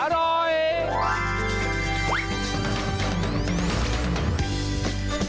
อร่อย